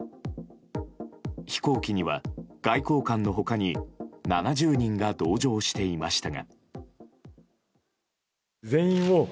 飛行機には外交官の他に７０人が同乗していましたが。